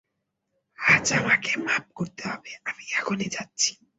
আজ আমাকে মাপ করতে হবে–আমি এখনই যাচ্ছি।